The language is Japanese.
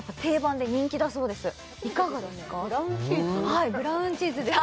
はいブラウンチーズです